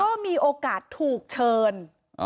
เพราะมีโอกาสถูกเชิญอ๋อ